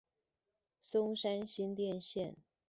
松山新店線